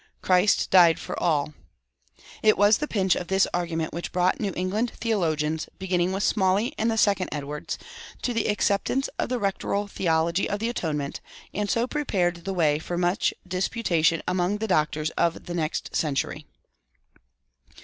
"Christ died for all." It was the pinch of this argument which brought New England theologians, beginning with Smalley and the second Edwards, to the acceptance of the rectoral theory of the atonement, and so prepared the way for much disputation among the doctors of the next century.